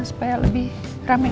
supaya lebih ramai